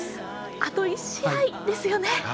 あと１試合ですよね。